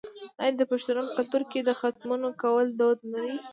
آیا د پښتنو په کلتور کې د ختمونو کول دود نه دی؟